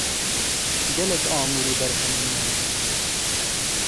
Gelek amûr û berhemên me hene.